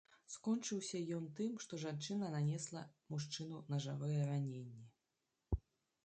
Скончыўся ён тым, што жанчына нанесла мужчыну нажавыя раненні.